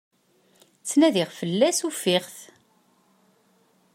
Ttnadiɣ fell-as, ufiɣ-it.